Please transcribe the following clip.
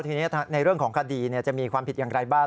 ทีนี้ในเรื่องของคดีจะมีความผิดอย่างไรบ้าง